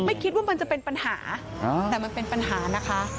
ไม่คิดว่ามันจะเป็นปัญหาแต่มันเป็นปัญหานะคะ